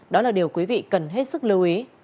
đó là điều quý vị cần hết sức lưu ý